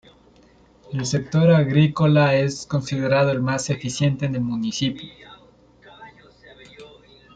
El sector Agrícola, es considerado el más eficiente en el Municipio.